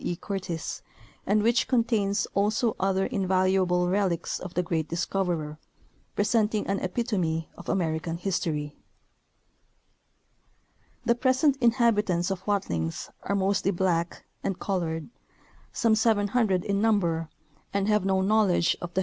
E. Curtis, and which contains also other invalu able relics of the great discoverer, presenting an epitome of American history. The present inhabitants of Watlings are mostl}^ black and colored, some 700 in number, and have no knowledge of the The Coasting of Columbus.